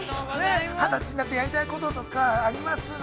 ２０歳になって、やりたいこととかあります？